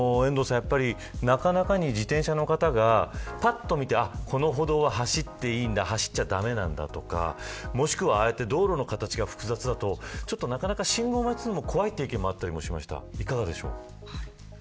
なかなか自転車の方がぱっと見てこの歩道は走っていいんだ駄目なんだとかもしくは、ああやって道路の形が複雑だと信号待ちをするのも怖いという意見もありましたがどうですか。